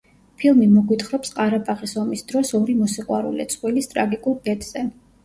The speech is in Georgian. ფილმი მოგვითხრობს ყარაბაღის ომის დროს ორი მოსიყვარულე წყვილის ტრაგიკულ ბედზე.